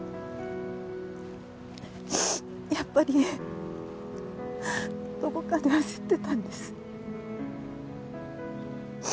やっぱりどこかで焦ってたんです